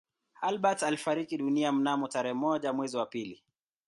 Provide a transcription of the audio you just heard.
Albert alifariki dunia mnamo tarehe moja mwezi wa pili